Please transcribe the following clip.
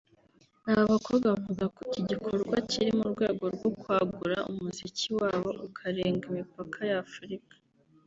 Aba bakobwa bavuga ko iki gikorwa kiri mu rwego rwo kwagura umuziki wabo ukarenga imipaka y’ Afurika